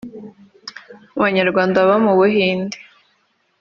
mu banyarwanda baba mu Buhinde